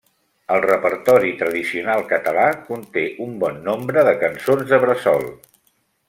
El repertori tradicional català conté un bon nombre de cançons de bressol.